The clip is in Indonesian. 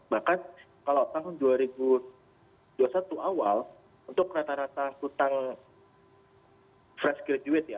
bahkan kalau tahun dua ribu dua puluh satu awal untuk rata rata hutang fresh graduate ya